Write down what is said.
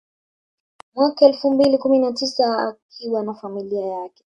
Mwaka elfu mbili kumi na tisa akiwa na familia yake